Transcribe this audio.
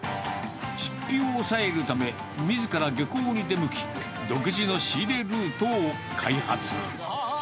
出費を抑えるため、みずから漁港に出向き、独自の仕入れルートを開発。